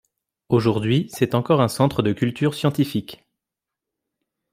Aujourd'hui c'est encore un centre de culture scientifique.